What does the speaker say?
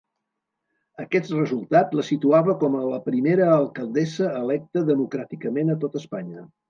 Aquest resultat la situava com a la primera alcaldessa electa democràticament a tot Espanya.